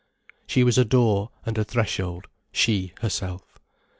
She was a door and a threshold, she herself.